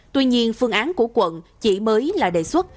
tuy nhiên phương án của quận chỉ mới là đề xuất